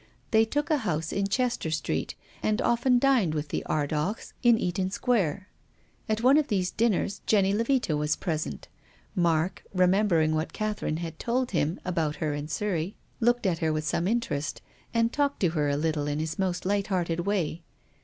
They took a house in Chester Street, and often dined with the Ardnghs in I^aton Square. At one of these dinners Jenny Tcvita was present. Mark, remembering what Catherine liad twl<l him about her in Surrey, 1^2 TONGUES OF CONSCIENCE. looked at her with some interest, and talked to her a little in his most light hearted way.